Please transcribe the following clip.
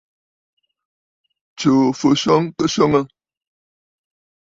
Tsùù fɨswo kɨswoŋǝ.